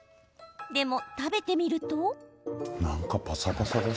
でも、食べてみると。